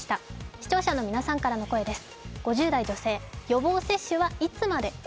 視聴者の皆さんからの声です。